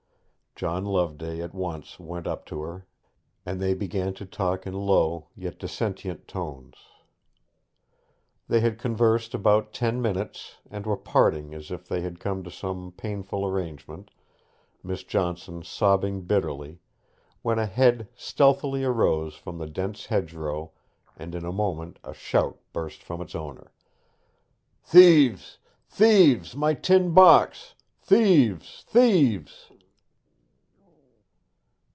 John Loveday at once went up to her, and they began to talk in low yet dissentient tones. They had conversed about ten minutes, and were parting as if they had come to some painful arrangement, Miss Johnson sobbing bitterly, when a head stealthily arose above the dense hedgerow, and in a moment a shout burst from its owner. 'Thieves! thieves! my tin box! thieves! thieves!'